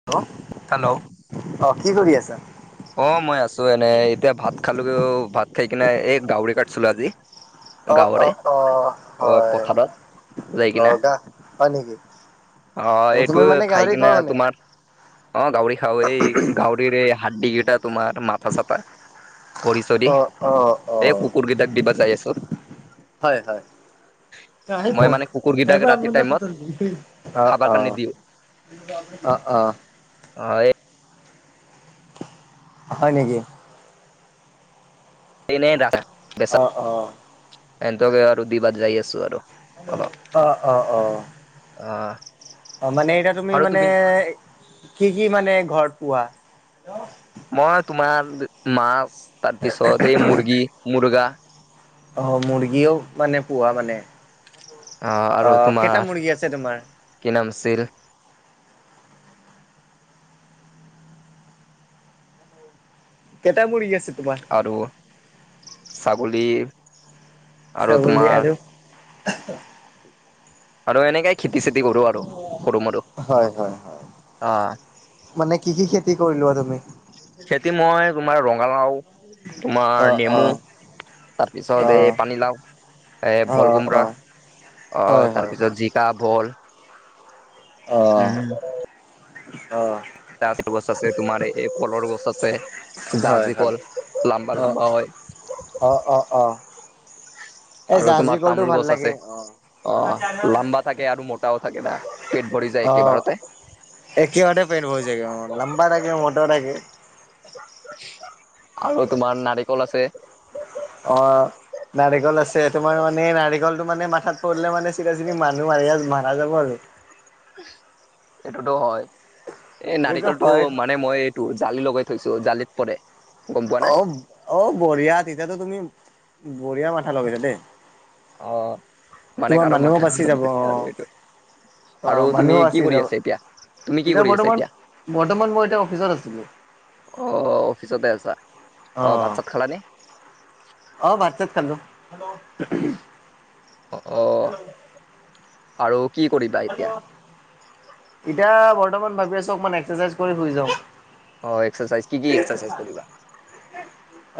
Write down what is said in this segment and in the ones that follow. Hello hello অ, কি কৰি আছা? অ, মই আছো এনে এতিয়া ভাত খালো ভাত খাই কিনে এই গাহৰী কাটছিলো আজি। অ' গাঁৱৰে অ' অ' অহ, হয় পথাৰত যায় কিনে অ' গা হয় নেকি? অ, তুমি এইটো মানে খাই গাহৰি কি নে খোৱা মানে? তোমাৰ অ, গাহৰি খাও এই গাহৰিৰ এই হাডডি কেইটা তোমাৰ মাথা চাথা, ভৰি চৰি, অ' অ' এই অ' কুকুৰ কেইটাক দিবা যাই আছোঁ। হয়, হয়, [unintelligible] মই মানে কুকুৰ কেইটাক ৰাতি টাইমত অ, খাবাৰ অ, কাৰণে দিওঁ অ', অ, অ হয় নেকি? এনে অ' অ' আৰু দিবাৰ যাই আছো আৰু। অলপ অ', অ', অ', অ', অ, মানে এতিয়া তুমি মানে কি-কি মানে ঘৰত পোৱা। মই তোমাৰ মাছ তাৰপিছত এই মুৰ্গী-মুৰ্গা। অ, মুৰ্গীও মানে পোহা মানে অ, কেইটা মুৰ্গী আছে তোমাৰ? কিমান আছিল? কেইটা মূগী আছিল? আৰু ছাগলী আৰু ছাগলী তোমাৰ আৰু আৰু এনেকাই খেতি চেতি কৰো আৰু সৰু মৰু হয় হয় হয় অ', মানে কি-কি খেতি কৰিলোৱা তুমি? খেতি মই তোমাৰ ৰঙালাও অ', তোমাৰ নেমু। অ', তাৰপিছত এই অ', পানীলাও এ ভল অ', কোমৰা অ', অ, হয়, হয়, হয়, তাৰপিছত জি কা ভোল, অহ, অহ, গছ আছে তোমাৰ এই কলৰ গছ আছে হয়, জাহাজী হয়, কল লাম্বা অ', লম্বা হয়। অ, অ, অ, এই আৰু জাহাজী তোমাৰ কলটো তামোল ভাল গছ লাগে আছে। অ', অ, লাম্বা থাকে আৰু মোটাও থাকে না পেট ভৰি যায় অ', একেবাৰতে। একেবাৰতে পেট ভৰি যায়গে অ' লাম্বা লাগে মোটা থাকে। [inaudible] আৰু তোমাৰ নাৰিকল আছে। অহ, নাৰিকল আছে তোমাৰ মানে নাৰিকলটো মানে মাথাত পৰিলে মানে চিধা চিধি মানুহ মাৰি মাৰা যাব আৰু। এইটোতো হয় এই এইটোতো নাৰিকলটো হয় মানে মই এইটো জালি লগাই থৈছো জালিত পৰে। গম পোৱা না অ', অ', বঢ়িয়া তেতিয়াতো তুমি বঢ়িয়া মাথা লগাইছা দেই। অ, মানে তোমাৰ কাৰো মানুহো মথা বাচি যাব অ', আৰু এইটো আৰু অ', মানুহো তুমি কি বাচি কৰি যাব আছা? এতিয়া তুমি কি কৰি আছা এতিয়া? বৰ্তমান মই এতিয়া অফিচত আছিলোঁ। অ, অফিচতে আছা? ভাত অ', চাত খালানে অ', ভাত চাত খালো। অ, অহ, আৰু কি কৰিবা এতিয়া এতিয়া বৰ্তমান ভাবি আছো অকমান এক্সাৰচাইজ কৰি শুই যাওঁ। অ, এক্সাৰচাইজ কি-কি এক্সাৰচাইজ কৰিবা?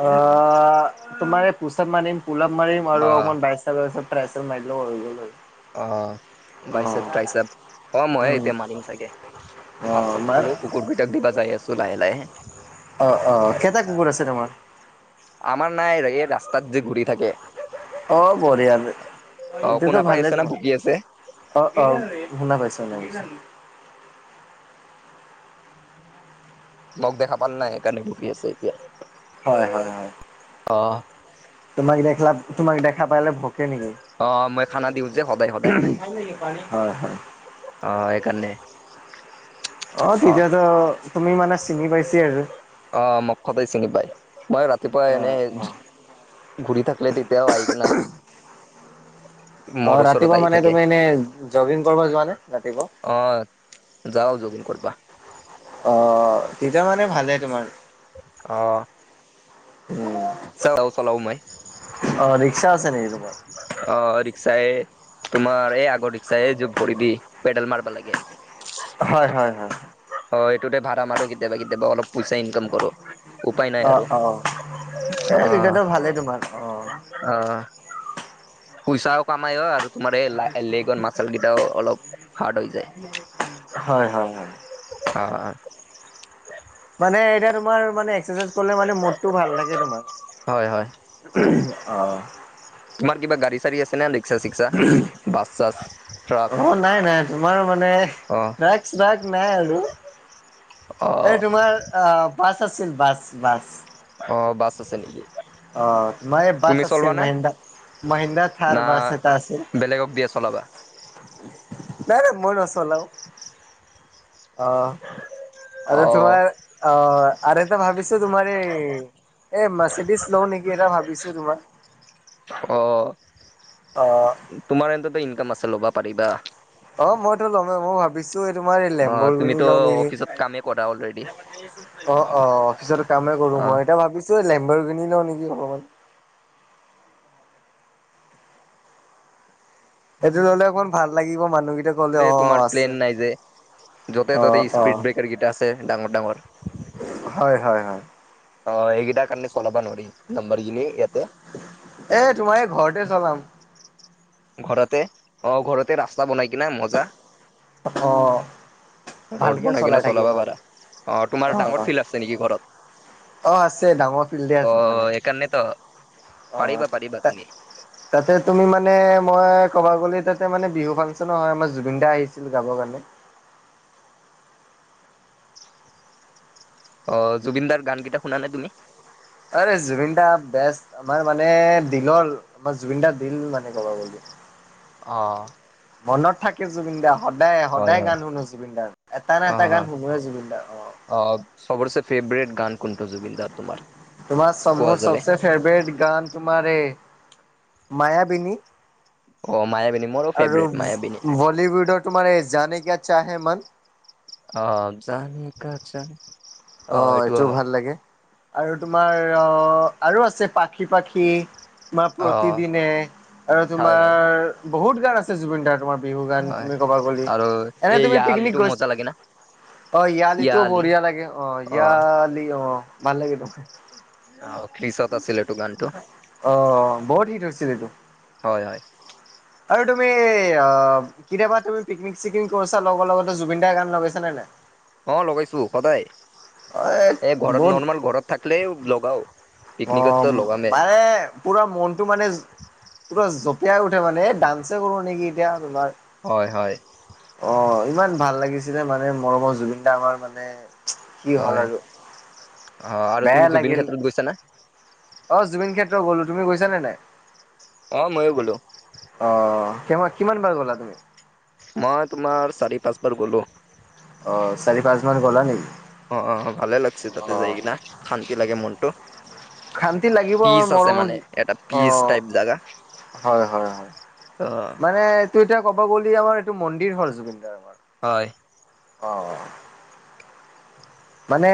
অ, তোমাৰ পোচাপ মাৰিম পোলাপ মাৰিম অ আৰু অকমান বাই বাইচেপ ট্ৰাইছেপ মাৰিলে হৈ গল আৰু। অ অ'বাইচেপ ট্ৰাইছেপ, অ' মই উম এতিয়া মাৰিম চাগে। অ ভাত চাত মাৰ খালো কুকুৰকেইটাক দিবা যায় আছো লাহে-লাহে। অ, অ, কেইটা কুকুৰ আছে তোমাৰ? আমাৰ নাই এই ৰাস্তাত যে ঘূৰি থাকে। অ, বঢ়িয়া দে অ এইটোতো শুনা পাই ভালেই আছে না তোমাৰ ভুকি আছে অ', অ', শুনা পাইছো- শুনা পাইছো। মোক দেখা পান নাই সেইকাৰণে ভুকি আছে এতিয়া। হয়- হয়- হয় অ', তোমাক দেখলা তোমাক দেখা পালে ভুকে নেকি? অ মই খানা দিওঁ যে সদায় সদায় হয়-হয়। অ, সেইকাৰণে। অ, তেতিয়াতো তুমি মানে চিনি পাইছি আৰু। অ, মুখতেই চিনি পায় মই ৰাতিপুৱা অ এনে অ। ঘূৰি থাকলে তেতিয়াও আহি কিনে অ, ৰাতিপুৱা মানে তুমি এনে জগিং কৰবা যোৱা নে ৰাতিপুৱা? অ, যাওঁ জগিং কৰবা। অ, তেতিয়া মানে ভালে তোমাৰ। অ', উম, ৰিক্সাও চলাওঁ মই। অ, ৰিক্সা আছে নেকি তোমাৰ? অ, ৰিক্সাই তোমাৰ এই আগৰ ৰিক্সাই এই যে ভৰি দি পেডেল মাৰবা লাগে। হয়- হয়- হয়। হয় এইটোতে ভাড়া মাৰো কেতিয়াবা- কেতিয়াবা অলপ পইচা ইনকাম কৰো। উপায় নাই অ', আৰু অ', সে -সেতুটো ভালেই তোমাৰ অ। অ, পোইচা পামাই অ, আৰু তোমাৰ এই লেগৰ মাচাল কেদাও অলপ হাৰ্ড হৈ যায়। হয়- হয় -হয়। অ', অ', মানে এতিয়া তোমাৰ মানে এক্সৰচাইজ ক'লে মানে মুডটো ভাল লাগে হয় হয় তোমাৰ অ। তোমাৰ কিবা গাড়ী- চাড়ী আছেনে ৰিক্সা- চিক্সা বাছ -চাচ? অ, নাই -নাই তোমাৰ মানে, অ' ট্ৰাক- শ্ৰাক নাই আৰু। এই অ' তোমাৰ আহ বাছ আছিল বাছ -বাছ। অ, বাছ আছে নেকি? অ, তোমাৰ এ তুমি বাছ আছিল চলবানে মহেন্দ্ৰা- মহেন্দ্ৰা না থাৰ বাছ এটা আছিল। বেলেগক দিয়ে চলাবা? নাই- নাই মই নচলাও অ। আৰু অ' তোমাৰ অ, আৰু এটা ভাবিছো তোমাৰ এই- এই মৰ্চেতিছ নেকি এটা ভাবিছোঁ তোমাৰ। অ', অ', তোমাৰ এন্ততো ইনকাম আছে ল'বা পাৰিবা। অ, মইতো ল'মেই মই ভাবিছোঁ এই তোমাৰ এই অ' লেম্বৰ গিনি তুমিতো লওঁ নেকি। অফিচত কামেই কৰা অলৰেডি অ', অ', অফিচত কামেই কৰো অ' মই এতিয়া ভাবিছো লেম্বাৰ গিনি লওঁ নেকি অকমান। এইটো ল'লে অকণমান ভাল লাগিব মানুহকেইটাক যে তোমাৰ প্লেন নাই যে য'তে -ত'তে অ', অ', স্পৃদ ব্ৰেকাৰ কেইটা আছে ডাঙৰ -ডাঙৰ। হয় - হয় -হয় অ, এইকেইটাৰ কাৰণে চলাবা নৰি নাম্বাৰ গিনি ইয়াতে। এ তোমাৰ এই ঘৰতে চলাম। ঘৰতে অ, ঘৰতে ৰাস্তা বনাই কিনে মজা। অহ', ৰ'ড বনাই কিনে চলাবা পাৰা অ, তোমাৰ অ', ডাঙৰ ফিল্ড আছে নেকি ঘৰত? অ', আছে ডাঙৰ ফিল্ডে অ, আছে মানে এইকাৰণে ত ' অ, তে তাতে তুমি মানে মই ক'বা গ'লে তাতে মানে বিহু ফাংচনো হয় আমাৰ জুবিন দা আহিছিল গাব কাৰণে। অ, জুবিনদাৰ গানকেইটা শুনানে তুমি? আৰে জুবিন দা বেষ্ট আমাৰ মানে দিলৰ আমাৰ জুবিনদাৰ দিল মানে কবা গ'লে অ', মনত থাকে জুবিন দাৰ সদায় হয় সদায় হয় গান শুনো জুবিন দাৰ এটা নে অ এটা গান শুনোৱে জুবিন দাৰ। অ, চৰবচে ফেভৰেট গান কোনটো জুবিনদাৰ তোমাৰ তোমাৰ মোৰ কোৱা? চবচে ফেভৰেট গান তোমাৰ এ মায়াবিনী। অ মায়াবিনী মোৰো আৰু ফেভৰেট মায়াবিনী বলীউডৰ তোমাৰ এই জানেকিয়া চাহে মন। অ, জানে কা জান অ, এইটো এইটোও হয় ভাল লাগে আৰু তোমাৰ আহ আৰু আছে পাখি-পাখি তোমাৰ অ প্ৰতিদিনে আৰু হয় হয় তোমাৰ বহুত গান আছে জুবিন দাৰ তোমাৰ। বিহু গান হয় তুমি কবা গলি আৰু এনেই এই তুমি ইয়া আলিটো পিকনিক মজা লাগে না গৈছা অ, ইয়া ইয়ালিতটো আলি বঢ়িয়া লাগে অ, য়াআলি অ, ভাল লাগে তোমাৰ অ, খ্ৰিচত আছিলে এইটো গানটো। অ, বহুত হীট হৈছিল এইটো। হয়- হয়। আৰু তুমি অ, কেতিয়াবা তুমি পিকনিক চিকনিক কৰিছা লগৰ লগতে জুবিন দাৰ গান লগাইছ নে নাই। অ, লগাইছো সদায় অ এই ঘৰত বহুত নৰ্মেল ঘৰত থাকিলে লগাও। অ, পিকনিকততো লগামে বাৰে পুৰা মনতটো মানে পুৰা জপিয়াই উঠে মানে ডান্স কৰো নেকি এতিয়া তোমাৰ। হয় -হয়। অ, ইমান ভাল লাগিছিলে মানে মৰমৰ জুবিন দাঙাৰ মানে। কি হ'ল হয় আৰু বেয়া লাগিল। বুইচানে? অ, জুবিন ক্ষেত্ৰ গ'লো তুমি গৈছা নে নাই। অ, ময়ো গ'লো। অ, কিমান - কিমান বাৰ গ'লা তুমি? মই তোমাৰ চাৰি পাঁচবাৰ গ'লো। অ, চাৰি পাঁচ বাৰ মান গ'লা নেকি? অ', অ', ভালে লাগিছে তাতে যাই অ', কিনা শান্তি লাগে মনটো। শান্তি লাগিব পিচ আমাৰ আছে মৰমৰ মানে এটা পিচ অ', টাইপ জেগা। হয়- হয় -হয়। অ', মানে এইটো এতিয়া ক'ব গ'লি আমাৰ এইটো মন্দিৰ হ জুবিন গাৰ্গৰ। হয়। অ', মানে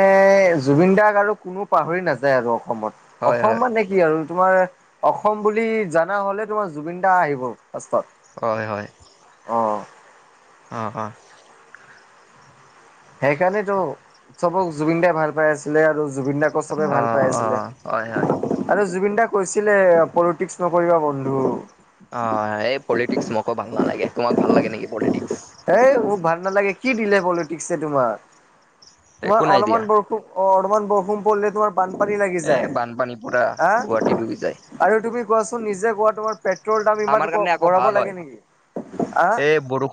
জুবিন গাৰ্গ আৰু কোনো পাহৰি নাযায় আৰু অসমত হয় অসম হয় মানে কি আৰু তোমাৰ অসম বুলি জানা হ'লে তোমাৰ জুবিন দা আহিব ফাৰ্ষ্টত। হয় - হয়। অ', অ', অ', সেইকাৰণেতো চবক জুবিন দাই ভাল পাই আছিলে আৰু জুবিন দাক অ', অ', হয় - হয়। আৰু জুবিন দা কৈছিলে পলিটিক্স নকৰিবা বন্ধু। অ, এই পলিটিক্স মোকো ভাল নালাগে তোমাক ভাল লাগে নেকি পলিটিক্স। এ মোক ভাল নালাগে কি দিলে পলিটিক্সছে তোমাৰ তোমাৰ একো নাই দিয়া অলপমান বৰ অ, অলমান বৰষুণ পৰিলে তোমাৰ বানপানী লাগি এ যায় বানপানী পুৰা হা। গুৱাহাটী ডুবি যায় আৰু তুমি কোৱাচোন নিজে কোৱা তোমাৰ পেট্ৰলৰ দাম আমাৰ ইমান কাৰণে আকৌ বঢ়াব ভাল লাগে নেকি হা।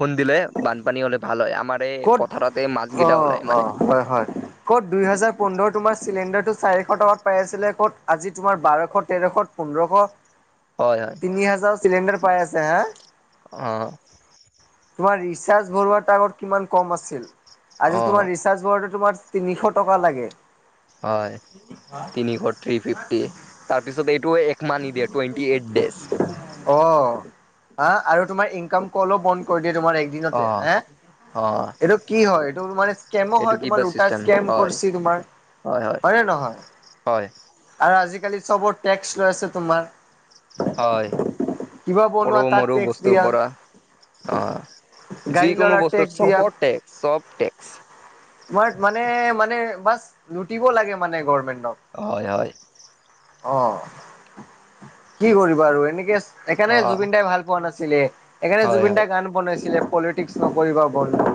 খুন্দিলে বানপানী হ'লে ভাল হয় আমাৰ এই ক'ত পথাৰতে মাছ কেইটা ওলাই অ', মানে অ', হয় হয় ক'ত দুইহেজাৰ পোন্ধৰ তোমাৰ চিলিণ্ডাৰটো চাৰিশ টকাত পাই আছিলে ক'ত আজি তোমাৰ বাৰশ তেৰশত পোন্ধৰশ হয়-হয়। তিনি হাজাৰ চিলিণ্ডাৰ পাই আছে হা। অ তোমাৰ ৰিচাৰ্জ ভৰোৱাৰ টাইমত কিমান কম আছিল আজি অ তোমাৰ ৰি চাৰ্জ ভৰাওতে তোমাৰ তিনিশ টকা লাগে হয় তিনিশ থ্ৰী ফিফটি তাৰপিছত এইটো একমাহ নিদিয়ে টুৱেণ্টি এইট দেজ অ হ আৰু তোমাৰ ইনকাম কলো বন্ধ কৰি দিয়ে তোমাৰ অ একদিনতে হে অ এইটো কি হয় এইটো মানে স্কেমো এইটো হয় কিবা তোমাৰ লোটাছ চিষ্টেম স্কেম হয় কৰিছি তোমাৰ হয় নে নহয় হয় আৰু আজিকালি চবৰ টেক্স লৈ আছে তোমাৰ হয় কিবা বনোৱা সৰু তাক মৰো টেক্স বস্তুৰ দিয়া। পৰা অ গাড়ী যিকোনো ল'ৰা বস্তু টেক্স দিয়া চবৰ টেক্স চব টেক্স তোমাৰ মানে মানে বাচ লুটিব লাগে মানে গভমেন্টক হয় হয় অ কি কৰিবা আৰু এনেকে সেকাণে অ জুবিন দাই ভাল পোৱা নাছিলে এইকাণে হয় জুবিন হয় দাই গান বনাইছিলে পলিটিক্স নকৰিবা বন্ধু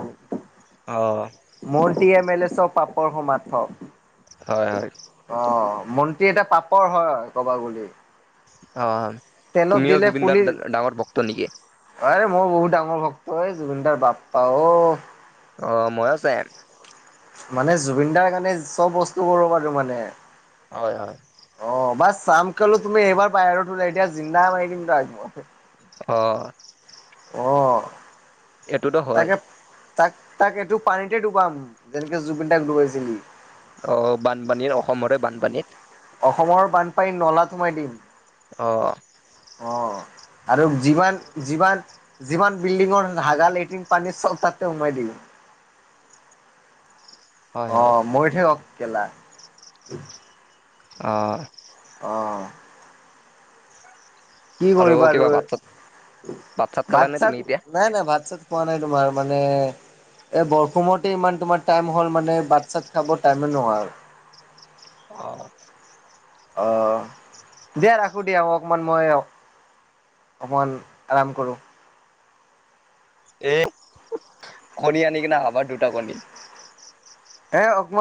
অ মন্ত্ৰী এম এলে চব পাপৰ সমা থক হয় হয় অ মন্ত্ৰী এতিয়া পাপৰ হয় কবা গলি অ তুমিও জুবিনদাৰ ডাঙৰ ভক্ত নেকি অৰে মই বহুত ডাঙৰ ভক্ত এই জুবিনদাৰ বাপ্পা অ অ মইয়ো চেম মানে জুবিন দাৰ কাৰণে চব বস্তু কৰিব পাৰো মানে হয় হয় অ বাচ শ্যামকালো তুমি এইবাৰ বাহিৰত ওলাই দিয়া জিন্দা মাৰি দিম তাক মই অ অ এইটোতো হয় তাকে তাক তাক এইটো পানীতে ডুবাম যেনেকে জুবিন দাক ডুবাইছিলি অ বানপানীৰ অসমৰে বানপানীত অসমৰ বানপানী নলাত সোমাই দিম অ অ আৰু যিমান যিমান যিমান বিল্ডিঙৰ হাগাৰ লেট্ৰিন পানীৰ চব তাতে সোমাই দিম [unintelligible] অ মৰি থেকাক কেলা অ অ কি কৰিবা কিবা আৰু ভাত চাত চাত খালা ভাত নে তুমি চাত এতিয়া? নাই নাই ভাত চাত পোৱা নাই তোমাৰ মানে এই বৰষুমতে ইমান তোমাৰ টাইম হ'ল মানে বাট চাত খাব টাইমেই নহয় আৰু অ অ দিয়া ৰাখো দিয়া অ অকমান মই অকণমান আৰাম কৰোঁ। এই কণী আন কিনা আবাৰ দুটা কণী। এ অকমত